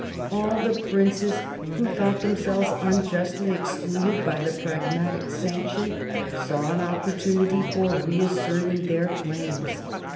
All the princes who thought themselves unjustly excluded by the Pragmatic Sanction saw an opportunity for reasserting their claims.